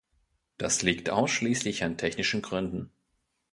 Das liegt ausschließlich an technischen Gründen.